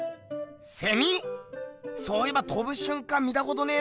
セミ⁉そういえばとぶしゅんかん見たことねえな。